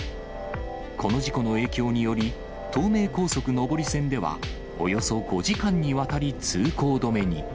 この事故の影響により、東名高速上り線では、およそ５時間にわたり通行止めに。